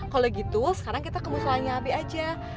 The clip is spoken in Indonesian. kalo gitu sekarang kita ke musolahnya abi aja